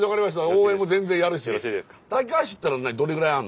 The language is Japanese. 応援も全然やるし。